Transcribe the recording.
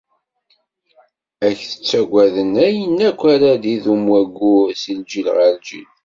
Ad k-ttaggaden ayen akk ara idum wayyur, si lǧil ɣer lǧil.